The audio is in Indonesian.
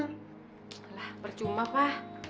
alah percuma pa